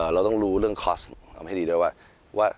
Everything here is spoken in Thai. เราต้องรู้เรื่องคอสที่ดีด้วยว่า